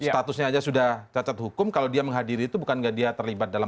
statusnya aja sudah cacat hukum kalau dia menghadiri itu bukan nggak dia terlibat dalam